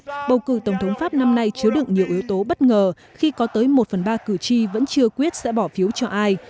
cuộc bầu cử tổng thống pháp năm nay chứa đựng nhiều yếu tố bất ngờ khi có tới một phần ba cử tri vẫn chưa quyết sẽ bỏ phiếu cho ai